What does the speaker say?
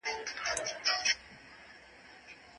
خپل ځان له ناپاکه اوبو وساتئ.